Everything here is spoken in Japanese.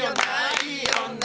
いい女！